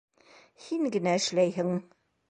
Һин генә эшләйһең!